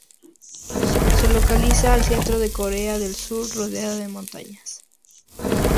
Se localiza al centro de Corea del Sur, rodeada de montañas.